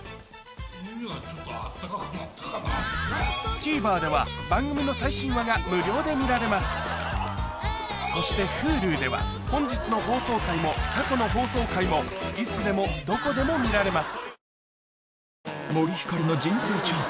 ＴＶｅｒでは番組の最新話が無料で見られますそしてＨｕｌｕでは本日の放送回も過去の放送回もいつでもどこでも見られます